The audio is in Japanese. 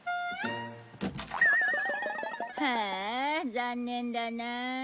はあ残念だなあ。